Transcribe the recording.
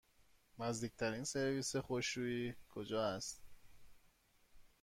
نزدیکترین سرویس خشکشویی کجاست؟